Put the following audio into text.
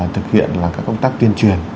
thực hiện các công tác tiên truyền